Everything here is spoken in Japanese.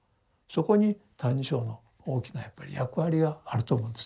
そこに「歎異抄」の大きなやっぱり役割があると思うんですね。